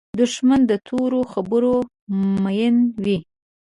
دښمن د تورو خبرو مین وي